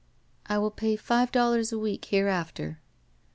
"I will pay five dollars a week hereafter."